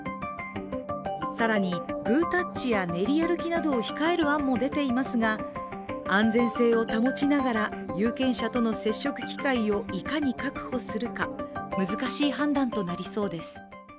更にグータッチや練り歩きなどを控える案も出ていますが安全性を保ちながら有権者との接触機会をいかに確保するか難しい判断となりそうです。